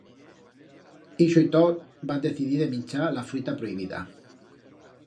Ixo y tot, van decidir de minchar la fruita prohibida.